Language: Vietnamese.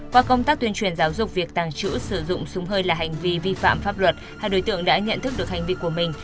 qua công tác tuyên truyền giáo dục việc tàng trữ sử dụng súng hơi là hành vi vi phạm pháp luật hai đối tượng đã nhận thức được hành vi của mình